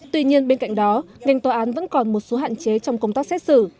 tuy nhiên bên cạnh đó ngành tòa án vẫn còn một số hạn chế trong công tác xét xử